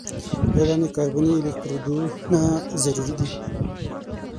دوه دانې کاربني الکترودونه ضروري دي.